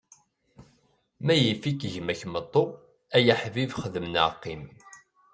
Ma yif-ik gma-k meṭṭu, ay aḥbib xdem neɣ qqim.